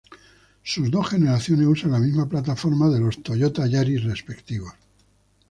Sus dos generaciones usan la misma plataforma de los Toyota Yaris respectivos.